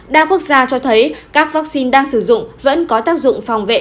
đa quốc gia cho thấy các vaccine đang sử dụng vẫn có tác dụng phòng vệ